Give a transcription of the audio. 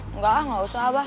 enggak enggak usah abah